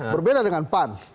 berbeda dengan pan